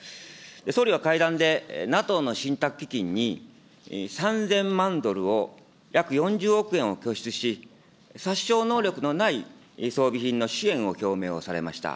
総理は会談で、ＮＡＴＯの信託基金に、３０００万ドルを、約４０億円を拠出し、殺傷能力のない装備品の支援を表明されました。